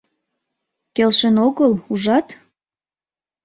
Келшен огыл, ужат?